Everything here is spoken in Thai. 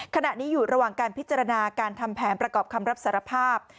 ขณะนี้อยู่ระหว่างการพิจารณาการทำแผนประกอบคำรับสารภาพ